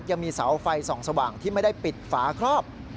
ยังมีเสาไฟส่องสว่างที่ไม่ได้ปิดฝาครอบ